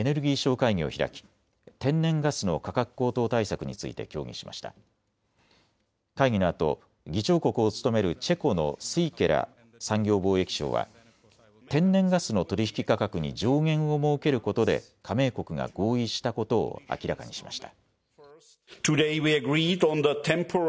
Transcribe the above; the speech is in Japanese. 会議のあと、議長国を務めるチェコのスィーケラ産業貿易相は天然ガスの取り引き価格に上限を設けることで加盟国が合意したことを明らかにしました。